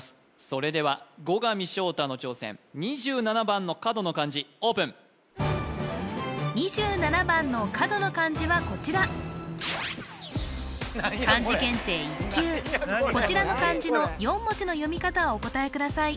それでは後上翔太の挑戦２７番の角の漢字オープン２７番の角の漢字はこちらこちらの漢字の４文字の読み方をお答えください